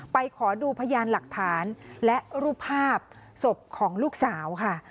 ขอดูพยานหลักฐานและรูปภาพศพของลูกสาวค่ะ